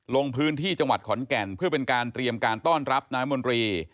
ลงพื้นที่จังหวัดขอนแก่นเพื่อเป็นการเตรียมการต้อนรับนายมนตรี